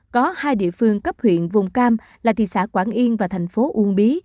có hai địa phương cấp huyện vùng cam là thị xã quảng yên và thành phố uông bí